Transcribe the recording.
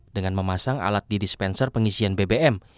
dengan memasang alat di dispenser pengisian bbm